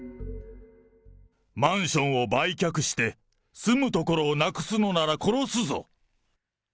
マンションを売却して、住む所をなくすのなら殺すぞ。